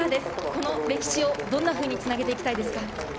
この歴史をどんなふうにつなげていきたいですか？